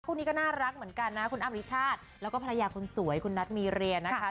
คู่นี้ก็น่ารักเหมือนกันนะคุณอ้ำริชาติแล้วก็ภรรยาคนสวยคุณนัทมีเรียนะคะ